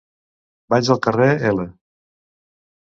Vaig al carrer L.